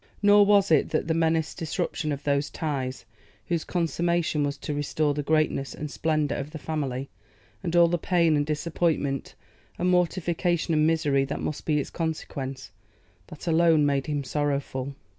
Nor was it the menaced disruption of those ties whose consummation was to restore the greatness and splendour of the family, and all the pain and disappointment and mortification and misery that must be its consequence, that alone made him sorrowful.